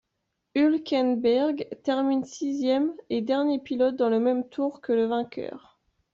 Hülkenberg termine sixième, et dernier pilote dans le même tour que le vainqueur.